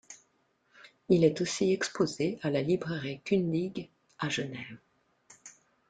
Il est aussi exposé à la Librairie Kundig à Genève.